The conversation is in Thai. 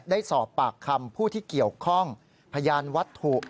ได้สอบปากคำผู้ที่เกี่ยวข้องพยานวัตถุ